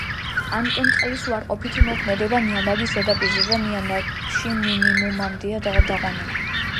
ამიტომ წყლის უარყოფითი მოქმედება ნიადაგის ზედაპირზე და ნიადაგში მინიმუმამდეა დაყვანილი.